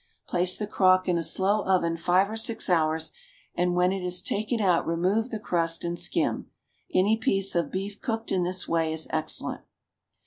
Place the crock in a slow oven five or six hours, and when it is taken out remove the crust and skim. Any piece of beef cooked in this way is excellent.